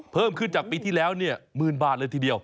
เพิ่มขึ้นจากปีที่แล้วเนี่ย๑๐๐๐๐บาทเลยทีเดียว